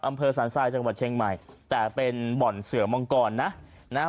อำเภอสันทรายจังหวัดเชียงใหม่แต่เป็นบ่อนเสือมังกรนะนะฮะ